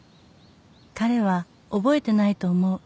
「彼は覚えてないと思う」